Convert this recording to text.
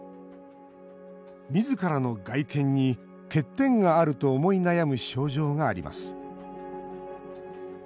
みずからの外見に欠点があると思い悩む症状があります。